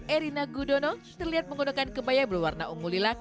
erina gudono terlihat menggunakan kebaya berwarna ungu lilak